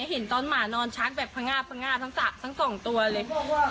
เห็นตอนหมานอนช้างแบบพงาทั้งสองตัวเลย